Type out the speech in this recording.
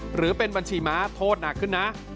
หรือเป็นบัญชีม้าโทษหนักขึ้นนะ